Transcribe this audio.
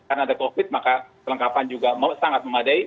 karena ada covid maka kelengkapan juga sangat memadai